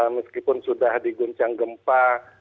meskipun sudah diguncang gempa